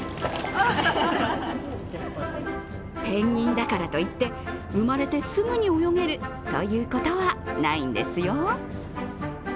ペンギンだからといって、生まれてすぐに泳げるということはないんですよ。